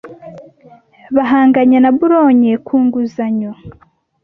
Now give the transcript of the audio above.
bahanganye Boulogne ku nguzanyo